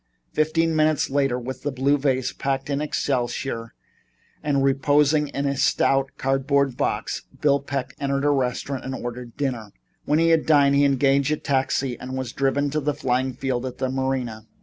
Fifteen minutes later, with the blue vase packed in excelsior and reposing in a stout cardboard box, Bill Peck entered a restaurant and ordered dinner. When he had dined he engaged a taxi and was driven to the flying field at the Marina.